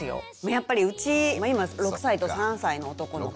やっぱりうち今６歳と３歳の男の子と。